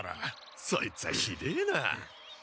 そいつはひでえな。